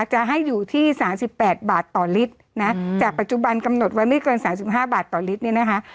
จะให้อยู่ที่สามสิบแปดบาทต่อลิตรนะอืมจากปัจจุบันกำหนดว่าไม่เกินสามสิบห้าบาทต่อลิตรเนี่ยนะคะ